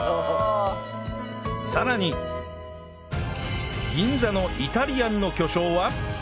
さらに銀座のイタリアンの巨匠は